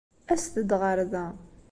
Aset-d ɣer da.